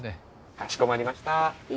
かしこまりました。